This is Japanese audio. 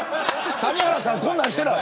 谷原さんこんなのしてない。